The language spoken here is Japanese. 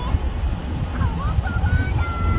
川パワーだ！